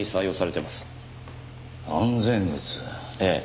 ええ。